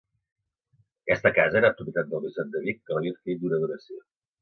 Aquesta casa era propietat del bisbat de Vic, que l'havia adquirit d'una donació.